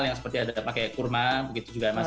yang seperti ada pakai kurma begitu juga mas